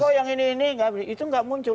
ini kok yang ini ini itu nggak muncul